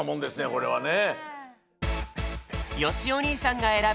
これはね。